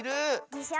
でしょ。